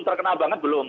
terkenal banget belum